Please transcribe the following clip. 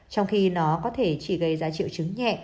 trong khi nó có thể chỉ gây ra triệu chứng nhẹ